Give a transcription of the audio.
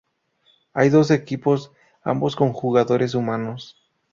Hay dos equipos, ambos con jugadores humanos.